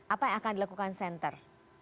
apa yang akan dilakukan center